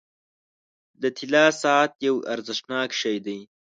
• د طلا ساعت یو ارزښتناک شی دی.